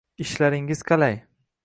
Ishlaringiz qalay?